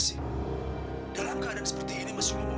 suku bimbing seram